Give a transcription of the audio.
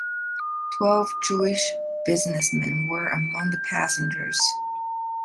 Twelve Jewish businessmen were among the passengers.